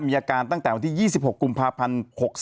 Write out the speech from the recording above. มีอาการตั้งแต่วันที่๒๖กุมภาพันธ์๖๓